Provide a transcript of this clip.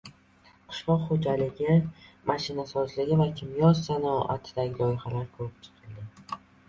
Qishloq xo‘jaligi mashinasozligi va kimyo sanoatidagi loyihalar ko‘rib chiqildi